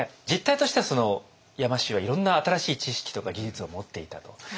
実態としては山師はいろんな新しい知識とか技術を持っていたと。